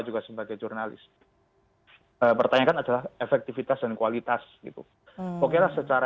juga sebagai jurnalis pertanyaan adalah efektivitas dan kualitas gitu oke lah secara